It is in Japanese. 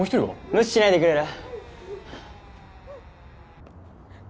無視しないでくれる？